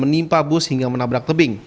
menimpa bus hingga menabrak tebing